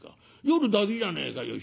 夜だけじゃねえかよ